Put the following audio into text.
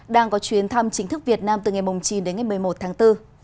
đang có chuyến thăm chính thức việt nam từ ngày chín đến ngày một mươi một tháng bốn